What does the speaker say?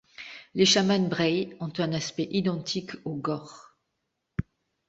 Les Chamans brays ont un aspect identique aux gors.